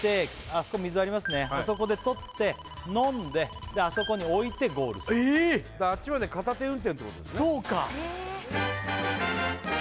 あそこで取って飲んであそこに置いてゴールするえっあっちまで片手運転ってことですね